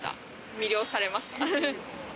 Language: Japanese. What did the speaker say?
魅了されました。